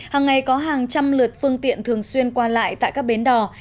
hàng ngày có hàng trăm lượt phương tiện thường xuyên qua lại tại các bến đò